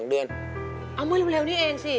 เอาเมื่อเร็วนี้เองสิ